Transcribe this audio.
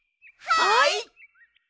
はい！